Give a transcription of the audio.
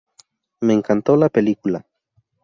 Me encantó la película.